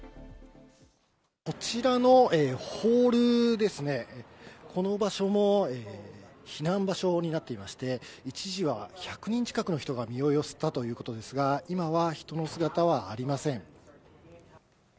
こちらのホールですね、この場所も避難場所になっていまして、一時は１００人近くの人が身を寄せたということですが、今は人の姿はありません。